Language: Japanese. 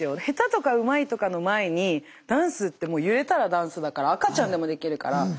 下手とかうまいとかの前にダンスってもう揺れたらダンスだから赤ちゃんでもできるから。